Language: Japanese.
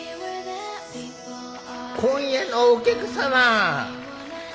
今夜のお客様！